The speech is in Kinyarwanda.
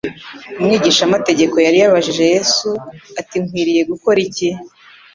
Umwigishamategeko yari yabajije Yesu ati : "Nkwiriye gukora iki?"